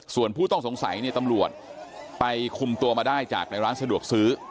ส่วนผู้ต้องสงสัยเนี่ยตำรวจไปคุมตัวมาได้จากในร้านสะดวกซื้อ